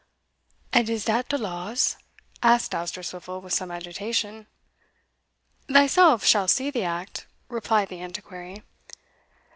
"And is dat de laws?" asked Dousterswivel, with some agitation. "Thyself shall see the act," replied the Antiquary.